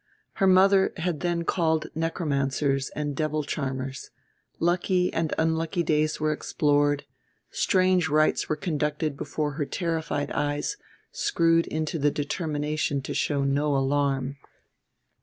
Her mother had then called necromancers and devil charmers; lucky and unlucky days were explored; strange rites were conducted before her terrified eyes screwed into the determination to show no alarm.